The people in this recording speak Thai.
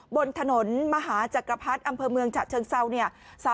บนถนนมหาจักรพรรดิอำเภอเมืองฉะเชิงเซาเนี่ย